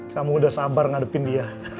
kamu udah sabar ngadepin dia